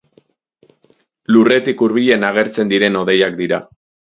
Lurretik hurbilen agertzen diren hodeiak dira.